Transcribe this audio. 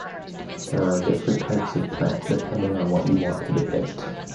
There are different types of plant depending on what you want to depict.